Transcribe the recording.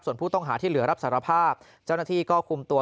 ส่วนผู้ต้องหาที่เหลือรับสารภาพเจ้าหน้าที่ก็คุมตัว